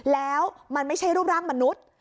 แล้วมันไม่ใช่รูปร่างมนุษย์